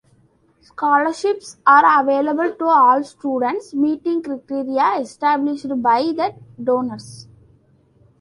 Scholarships are available to all students meeting criteria established by the donors.